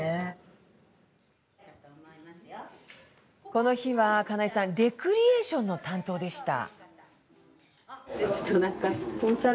この日は金井さんレクリエーション担当でした。